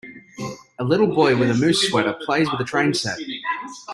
A little boy with a moose sweater plays with a train set.